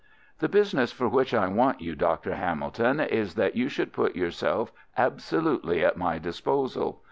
"The business for which I want you, Dr. Hamilton, is that you should put yourself absolutely at my disposal.